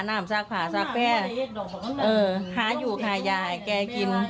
น้ำซักผ่าซักแพร่ค้าอยู่คายายแก่กิน